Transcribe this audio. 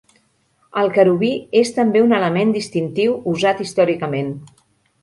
El querubí és també un element distintiu usat històricament.